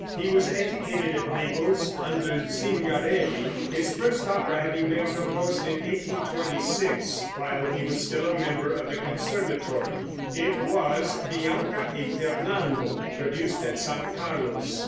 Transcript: He was educated at Naples under Zingarelli, his first opera having been composed in 1826, while he was still a member of the Conservatory. It was "Bianca e Fernando," produced at San Carlos.